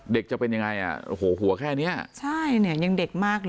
จะเป็นยังไงอ่ะโอ้โหหัวแค่เนี้ยใช่เนี่ยยังเด็กมากเลย